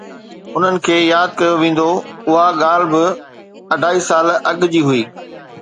انهن کي ياد ڪيو ويندو! اها ڳالهه ٻه اڍائي سال اڳ جي هئي.